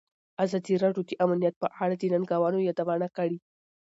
ازادي راډیو د امنیت په اړه د ننګونو یادونه کړې.